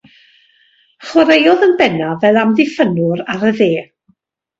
Chwaraeodd yn bennaf fel amddiffynnwr ar y dde.